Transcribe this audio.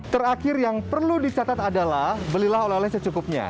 terakhir yang perlu dicatat adalah belilah olah olah yang secukupnya